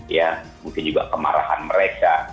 ya mungkin juga kemarahan mereka